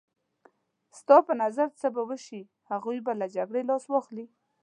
ستا په نظر څه به وشي؟ هغوی به له جګړې لاس واخلي.